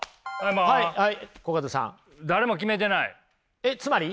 えっつまり？